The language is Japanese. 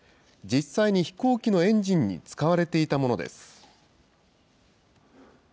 実際に飛行機のエンジンに使われていたものです。